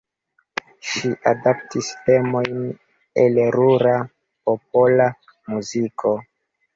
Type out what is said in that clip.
Ŝi adaptis temojn el rura popola muziko.